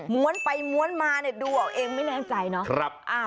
้วนไปม้วนมาเนี่ยดูออกเองไม่แน่ใจเนาะ